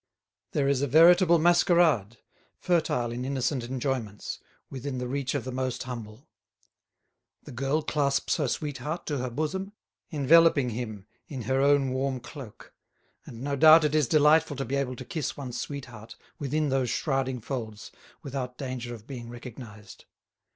There is a veritable masquerade, fertile in innocent enjoyments, within the reach of the most humble. The girl clasps her sweetheart to her bosom, enveloping him in her own warm cloak; and no doubt it is delightful to be able to kiss one's sweetheart within those shrouding folds without danger of being recognised.